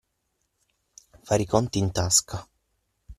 Fare i conti in tasca.